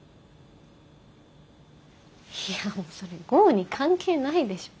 いやそれ剛に関係ないでしょ。